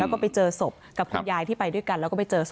อืมว่านี่คือรถของนางสาวกรรณิการก่อนจะได้ชัดเจนไป